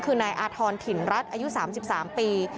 คือนายอาธรณ์ถิ่นรัฐอายุ๓๓ปี